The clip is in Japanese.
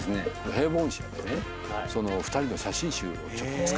平凡社でね２人の写真集を作りたい。